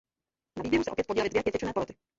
Na výběru se opět podílely dvě pětičlenné poroty.